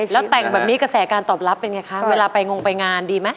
แล้วแต่งแบบนี้กระแสการตอบรับเป็นไงคะเวลาไปงงไปงานดีไหม